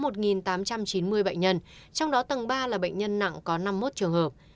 trong đó tầng ba là bệnh nhân nặng có năm mươi một trường hợp